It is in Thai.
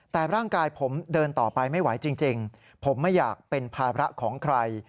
แต่ร่างกายผมเดินต่อไปไม่ไหวจริงผมไม่อยากเป็นภาระของใคร